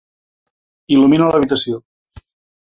Il·lumina l'habitació.